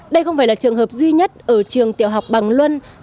đây không phải là trường hợp duy nhất ở trường tiểu học bằng luân